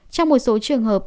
trong một số trường hợp